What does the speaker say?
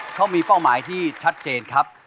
เขามีเป้าหมายที่ชัดเจนครับ